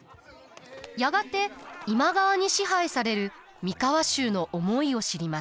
やがて今川に支配される三河衆の思いを知ります。